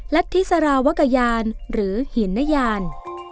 รัฐธิสารวกยานหรือหินนยาน